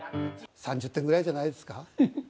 ３０点ぐらいじゃないですか。